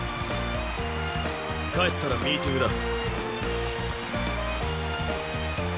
帰ったらミーティングだ。